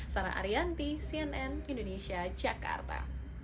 sarah arianti cnn indonesia jakarta